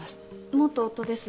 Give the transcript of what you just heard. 元夫です